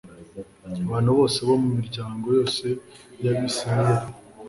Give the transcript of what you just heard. Abantu bose bo mu miryango yose y Abisirayeli